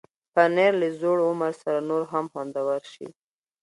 پنېر له زوړ عمر سره نور هم خوندور شي.